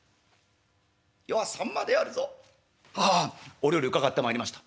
お料理伺ってまいりました」。